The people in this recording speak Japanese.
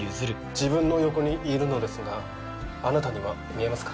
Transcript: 自分の横にいるのですがあなたには見えますか？